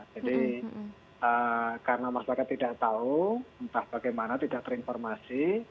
jadi karena masyarakat tidak tahu entah bagaimana tidak terinformasi